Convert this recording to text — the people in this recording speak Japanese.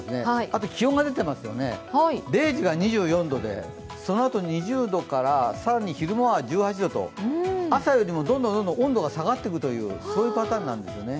あと気温が出てますよね、０時が２４度でそのあと２０度から更に昼間は１８度と朝よりもどんどん温度が下がってくるというパターンなんですよね。